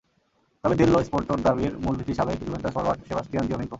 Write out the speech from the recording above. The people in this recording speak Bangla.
তবে দেল্লো স্পোর্তর দাবির মূল ভিত্তি সাবেক জুভেন্টাস ফরোয়ার্ড সেবাস্টিয়ান জিওভিঙ্কো।